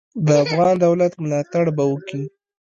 د افغان دولت ملاتړ به وکي.